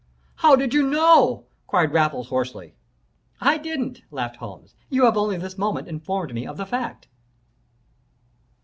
"'How did you know?' cried Raffles, hoarsely. "'I didn't,' laughed Holmes. 'You have only this moment informed me of the fact!'